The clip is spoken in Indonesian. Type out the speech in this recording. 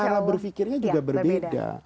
cara berfikirnya juga berbeda